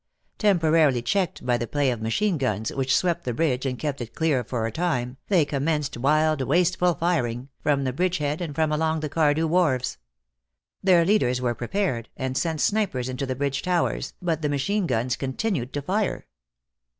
Temporarily checked by the play of machine guns which swept the bridge and kept it clear for a time, they commenced wild, wasteful firing, from the bridge head and from along the Cardew wharves. Their leaders were prepared, and sent snipers into the bridge towers, but the machine guns continued to fire.